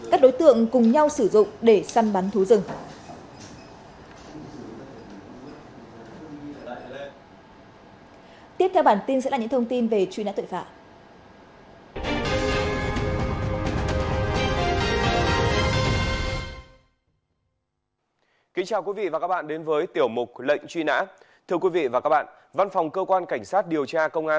các đối tượng cùng nhau sử dụng để săn bắn thú rừng